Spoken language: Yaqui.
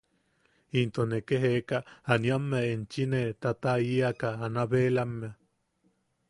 Into ne Jeka Aniamme enchi ne ta’a’i’a kaa Anabelammea.